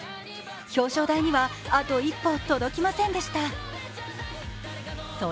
表彰台にはあと一歩届きませんでした。